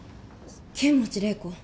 剣持麗子